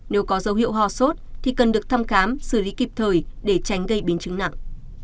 nếu có dấu hiệu ho sốt thì cần được thăm khám xử lý kịp thời để tránh gây biến chứng nặng